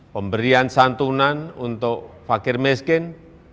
pemberian santunan untuk fakir miskin